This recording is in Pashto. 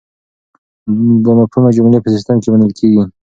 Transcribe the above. بامفهومه جملې په سیسټم کې منل کیږي.